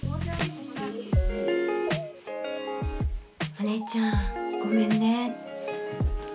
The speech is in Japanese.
お姉ちゃんごめんね。